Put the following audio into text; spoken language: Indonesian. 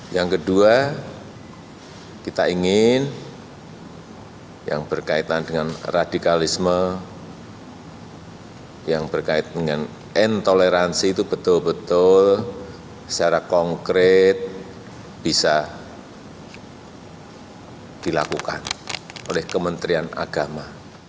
yang kedua kita ingin yang berkaitan dengan radikalisme yang berkaitan dengan entoleransi itu betul betul secara konkret bisa dilakukan oleh kementerian agama